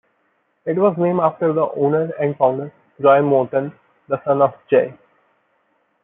It was named after the owner and founder, Joy Morton, the son of J.